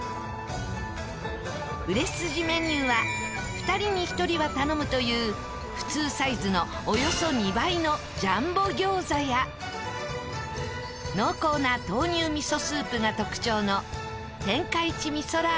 売れ筋メニューは２人に１人は頼むという普通サイズのおよそ２倍のジャンボ餃子や濃厚な豆乳味噌スープが特徴の。